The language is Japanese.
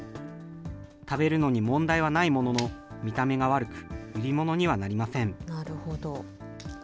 食べるのに問題はないものの、見た目が悪く、売り物にはなりません。